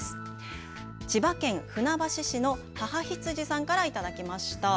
千葉県船橋市のははひつじさんから頂きました。